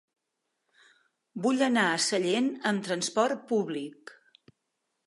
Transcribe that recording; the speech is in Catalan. Vull anar a Sallent amb trasport públic.